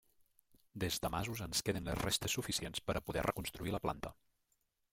Des de masos en queden les restes suficients per a poder reconstruir la planta.